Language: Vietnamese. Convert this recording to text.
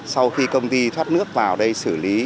sau khi công ty thoát nước vào đây xử lý